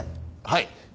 はい。